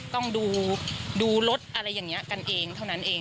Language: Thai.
ต้องดูรถอะไรอย่างนี้กันเองเท่านั้นเอง